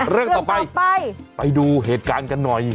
เรื่องต่อไปไปดูเหตุการณ์กันหน่อย